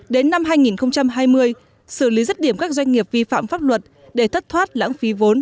đến năm hai nghìn hai mươi xử lý rứt điểm các doanh nghiệp vi phạm pháp luật để thất thoát lãng phí vốn